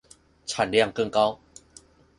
產量更高